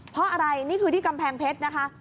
เพราะอะไรนี่คือที่กำแพงเพชรนะคะ